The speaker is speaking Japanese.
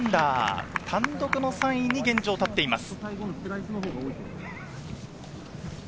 単独３位に現状、立っています。